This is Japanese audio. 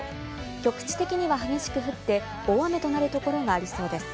局地的には激しく降って、大雨となるところがありそうです。